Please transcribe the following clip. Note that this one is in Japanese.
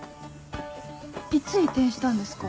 いつ移転したんですか？